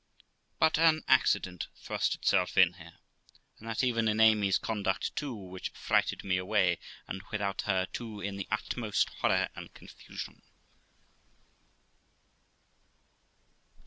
But an accident thrust itself in here, and that even in Amy's conduct too, which frighted me away, and without her too, in the utmost horror and confusion.